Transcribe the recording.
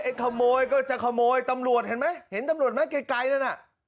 ขโมยก็จะขโมยตำรวจเห็นไหมเห็นตำรวจไหมไกลนั่นน่ะ